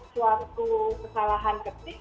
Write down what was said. suatu kesalahan ketik